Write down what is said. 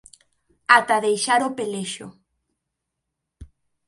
ata deixar o pelexo.